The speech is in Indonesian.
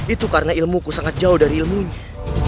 itu karena ilmu ku jauh dari ilmunya